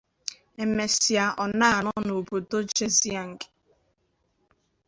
Emesịa, ọna anọ n'obodo Zhejiang.